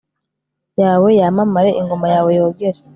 yawe yamamare, ingoma yawe yogere